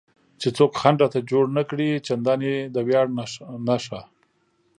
چې څوک خنډ راته جوړ نه کړي، چندانې د ویاړ نښه.